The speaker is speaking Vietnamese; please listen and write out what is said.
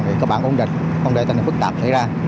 vì cơ bản công đệch công đệ thành hành phức tạp xảy ra